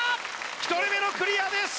１人目のクリアです